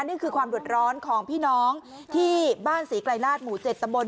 นี่คือความเดือดร้อนของพี่น้องที่บ้านศรีไกลราชหมู่๗ตำบล